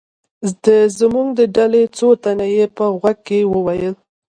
د زموږ د ډلې څو تنه یې په غوږ کې و ویل.